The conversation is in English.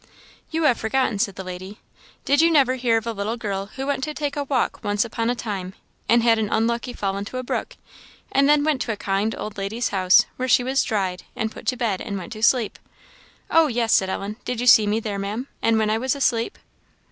"You have forgotten," said the lady. "Did you never hear of a little girl who went to take a walk once upon a time, and had an unlucky fall into a brook, and then went to a kind old lady's house, where she was dried, and put to bed, and went to sleep?" "Oh, yes," said Ellen. "Did you see me there, Maam, and when I was asleep?"